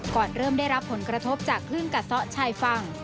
ก่อนเริ่มได้รับผลกระทบจากคลื่นกัดซ้อชายฝั่ง